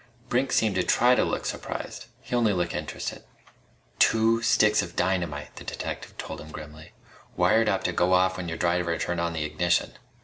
Brink seemed to try to look surprised. He only looked interested. "Two sticks of dynamite," the detective told him grimly, "wired up to go off when your driver turned on the ignition.